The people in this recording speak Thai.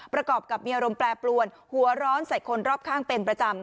ประกอบกับมีอารมณ์แปรปรวนหัวร้อนใส่คนรอบข้างเป็นประจำ